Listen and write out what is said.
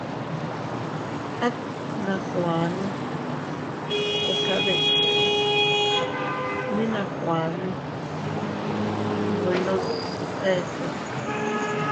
At nakuanne teka dittu, mi nakuane nwe ndo dittu eku.